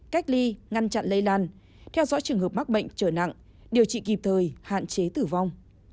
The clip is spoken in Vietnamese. cách ly ngăn chặn lây lan theo dõi trường hợp mắc bệnh trở nặng điều trị kịp thời hạn chế tử vong